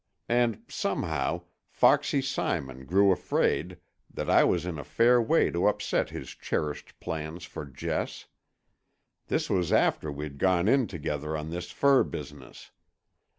And, somehow, foxy Simon grew afraid that I was in a fair way to upset his cherished plans for Jess. This was after we'd gone in together on this fur business.